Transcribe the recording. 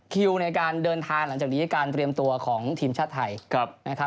คิวในการเดินทางหลังจากนี้การเตรียมตัวของทีมชาติไทยนะครับ